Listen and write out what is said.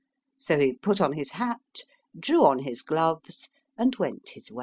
So he put on his hat, drew on his gloves, and went his way.